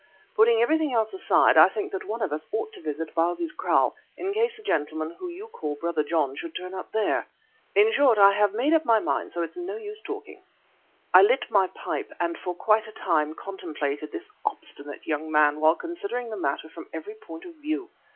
Putting everything else aside, I think that one of us ought to visit Bausi's kraal in case the gentleman you call Brother John should turn up there. In short, I have made up my mind, so it is no use talking." I lit my pipe, and for quite a time contemplated this obstinate young man while considering the matter from every point of view.